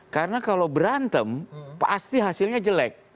karena kalau berantem pasti hasilnya jelek